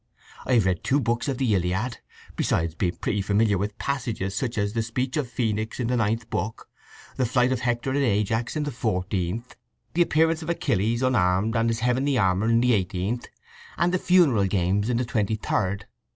"I have read two books of the Iliad, besides being pretty familiar with passages such as the speech of Phœnix in the ninth book, the fight of Hector and Ajax in the fourteenth, the appearance of Achilles unarmed and his heavenly armour in the eighteenth, and the funeral games in the twenty third.